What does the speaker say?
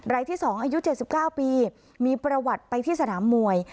รายที่สองอายุเจ็ดสิบเก้าปีมีประวัติไปที่สนามวย